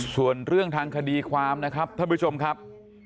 ส่วนเรื่องทางคดีความนะครับท่านผู้ชมครับ